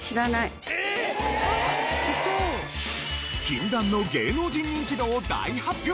禁断の芸能人ニンチドを大発表！